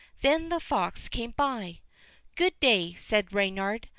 Then the fox came by. "Good day," said Reynard.